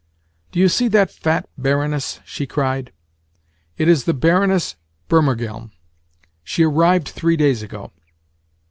"Do you see that fat Baroness?" she cried. "It is the Baroness Burmergelm. She arrived three days ago.